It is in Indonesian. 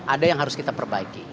ada yang harus kita perbaiki